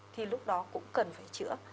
thì lúc đó cũng cần phải chữa